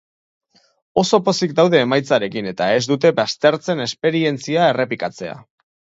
Oso pozik daude emaitzarekin eta ez dute baztertzen esperientzia errepikatzea.